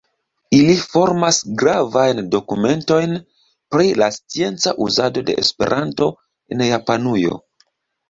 Ili formas gravajn dokumentojn pri la scienca uzado de Esperanto en Japanujo.